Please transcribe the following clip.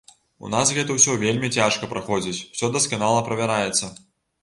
У нас гэта ўсё вельмі цяжка праходзіць, усё дасканала правяраецца.